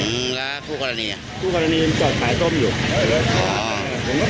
คือตรงเนี้ยจะเป็นตรงจอดประกำตรงนี้มาขายทุเรียนอ่ะอ้าว